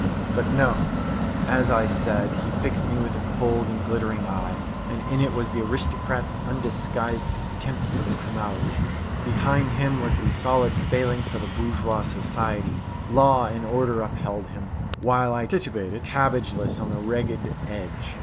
But no. As I said, he fixed me with a cold and glittering eye, and in it was the aristocrat's undisguised contempt for the canaille. Behind him was the solid phalanx of a bourgeois society. Law and order upheld him, while I titubated, cabbageless, on the ragged edge.